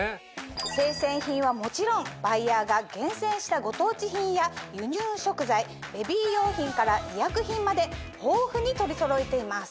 生鮮品はもちろんバイヤーが厳選したご当地品や輸入食材ベビー用品から医薬品まで豊富に取りそろえています。